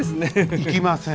行きません。